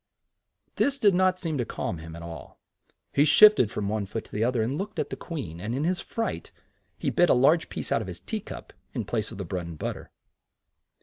This did not seem to calm him at all, he shift ed from one foot to the other and looked at the Queen, and in his fright he bit a large piece out of his tea cup in place of the bread and but ter.